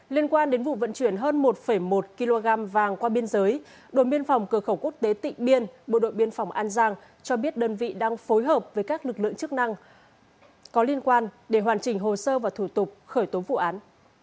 liên quan đến vụ vận chuyển hơn một một kg vàng qua biên giới đồn biên phòng cửa khẩu quốc tế tịnh biên bộ đội biên phòng an giang cho biết đơn vị đang phối hợp với các lực lượng chức năng có liên quan để hoàn chỉnh hồ sơ và thủ tục khởi tố vụ án